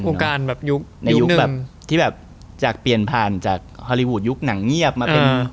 การแบบยุคในยุคแบบที่แบบจากเปลี่ยนผ่านจากฮอลลีวูดยุคหนังเงียบมาเป็น